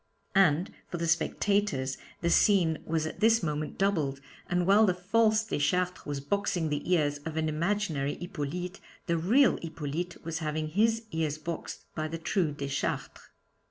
And for the spectators the scene was at this moment doubled, and while the false Deschartres was boxing the ears of an imaginary Hippolyte, the real Hippolyte was having his ears boxed by the true Deschartres.